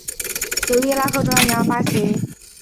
由伊拉克中央银行发行。